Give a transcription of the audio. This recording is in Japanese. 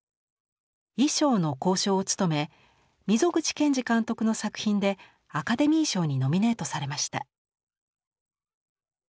衣装の考証を務め溝口健二監督の作品でアカデミー賞にノミネートされました。